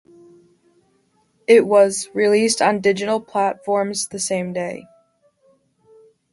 It was released on digital platforms the same day.